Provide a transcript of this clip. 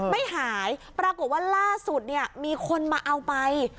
ไม่หายปรากฏว่าล่าสุดเนี่ยมีคนมาเอาไป